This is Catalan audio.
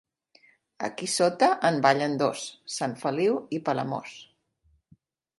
Aquí sota en ballen dos: Sant Feliu i Palamós.